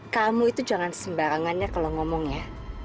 kamu itu jangan sembarangannya kalau ngomongnya